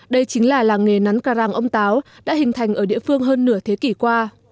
đây chính là làng nghề nắn carang ông táo đã hình thành ở địa phương hơn nửa thế kỷ qua